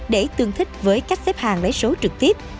để tương thích với cách xếp hàng lấy số trực tiếp